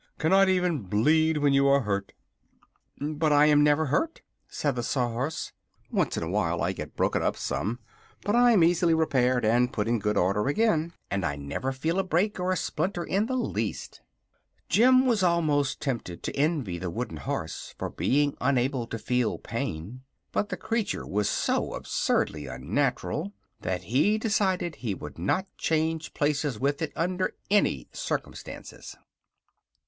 cannot even bleed when you are hurt." "But I am never hurt," said the Sawhorse. "Once in a while I get broken up some, but I am easily repaired and put in good order again. And I never feel a break or a splinter in the least." Jim was almost tempted to envy the wooden horse for being unable to feel pain; but the creature was so absurdly unnatural that he decided he would not change places with it under any circumstances.